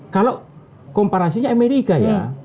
kalau komparasinya amerika ya